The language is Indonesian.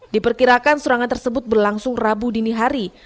diperkirakan serangan tersebut berlangsung rabu dini hari